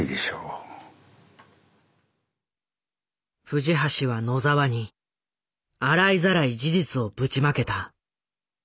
藤橋は野澤に洗いざらい事実をぶちまけた。